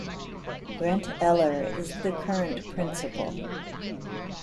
Brent Eller is the current principal.